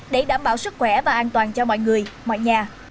để đảm bảo sức khỏe và an toàn cho mọi người mọi nhà